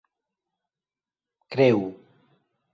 kreu